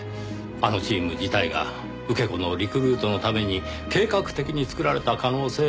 あのチーム自体が受け子のリクルートのために計画的に作られた可能性が高い。